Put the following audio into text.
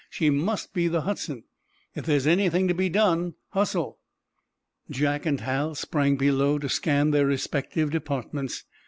She must be the 'Hudson.' If there's anything to be done, hustle!" Jack and Hal sprang below, to scan their respective departments.